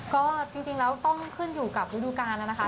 ก็จริงแล้วต้องขึ้นอยู่กับฤดูกาลแล้วนะคะ